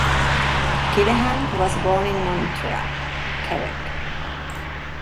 Keleghan was born in Montreal, Quebec.